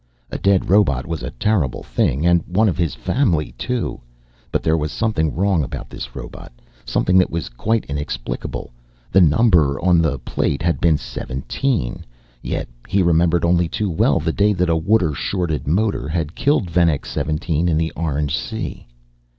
A dead robot was a terrible thing, and one of his family too. But there was something wrong about this robot, something that was quite inexplicable, the number on the plate had been "17," yet he remembered only too well the day that a water shorted motor had killed Venex 17 in the Orange Sea.